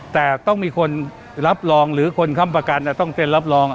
แต่ต้องมีคนรับรองหรือคนค้ำประกันต้องเซ็นรับรอง